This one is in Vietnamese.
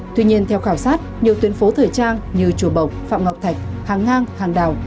tuy nhiên theo khảo sát nhiều tuyến phố thời trang như chùa bộc phạm ngọc thạch hàng ngang hàng đào